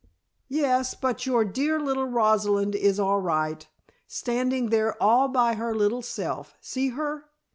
"Yes, but your dear little Rosalind is all right, standing there all by her little self. See her?"